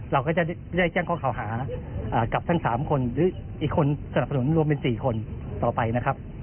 เราก็จะได้แจ้งข้อข่าวหากับทั้ง๓คนหรืออีกคนสนับสนุนรวมเป็น๔คนต่อไปนะครับ